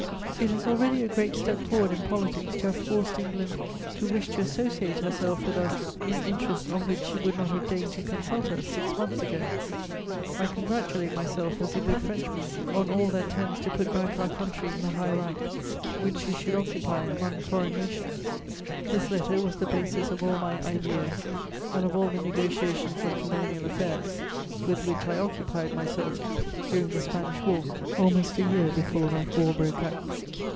It is already a great step forward in politics to have forced England to wish to associate herself with us in interests on which she would not have deigned to consult us six months ago. I congratulate myself as a good Frenchman on all that tends to put back our country in the high rank which she should occupy among foreign nations." [Illustration: Duc de Richelieu.] This letter was the basis of all my ideas and of all the negociations on colonial affairs with which I occupied myself during the Spanish War, almost a year before that war broke out.